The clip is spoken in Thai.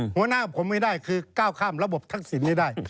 หัวหน้าผมไม่ได้คือก้าวข้ามระบบทักษิณให้ได้